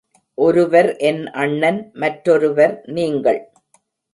ஒருவர் என் அண்ணன், மற்றொருவர், நீங்கள்.